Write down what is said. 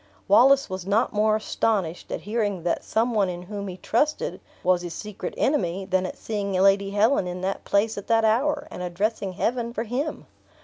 Wallace was not more astonished at hearing that some one in whom he trusted, was his secret enemy, than at seeing Lady Helen in that place at that hour, and addressing Heaven for him.